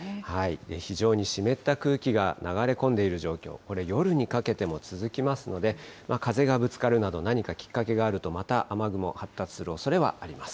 非常に湿った空気が流れ込んでいる状況、これ、夜にかけても続きますので、風がぶつかるなど、何かきっかけがあるとまた雨雲、発達するおそれはあります。